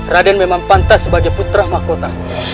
raden memang pantas sebagai putra mahkota